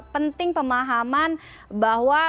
penting pemahaman bahwa